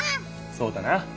そうだな！